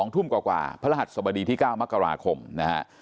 ทุ่มกว่าพระรหัสสบดีที่๙มกราคมนะฮะ